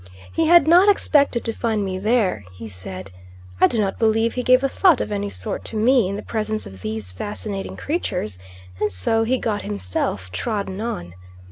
He had not expected to find me there, he said. I do not believe he gave a thought of any sort to me in the presence of these fascinating creatures, and so he got himself trodden on.